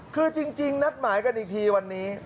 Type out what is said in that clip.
คือจริงนัดหมายกันอีกทีวันนี้